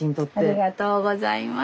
ありがとうございます。